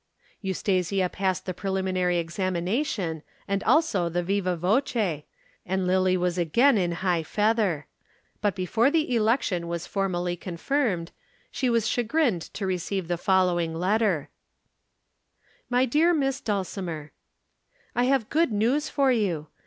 Eustasia passed the preliminary examination and also the viva voce, and Lillie was again in high feather. But before the election was formally confirmed, she was chagrined to receive the following letter. [Illustration: Drew up the Advertisement.] "MY DEAR MISS DULCIMER. "I have good news for you.